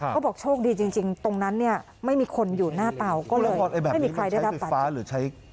เค้าบอกโชคดีจริงตรงนั้นเนี่ยไม่มีคนอยู่หน้าเตาก็เลยไม่มีใครได้รับปัด